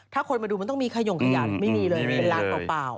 ถ้าคนมาดูมันต้องมีขยงขยะไม่มีเลยเป็นร้านเปล่า